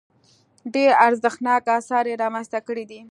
ډېر ارزښتناک اثار یې رامنځته کړي دي.